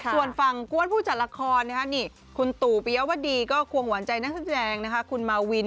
ส่วนฝั่งกวนผู้จัดละครคุณตู่ปิยวดีก็ควงหวานใจนักแสดงคุณมาวิน